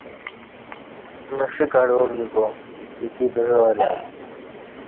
مݜہ کڑوا بِبا بدی بژاع الہ ای